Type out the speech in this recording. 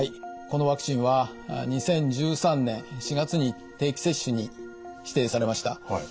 このワクチンは２０１３年４月に定期接種に指定されました。